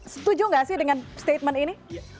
setuju nggak sih dengan statementnya